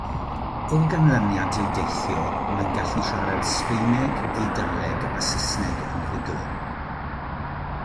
O ganlyniad i'w deithio, mae'n gallu siarad Sbaeneg, Eidaleg a Saesneg yn rhugl.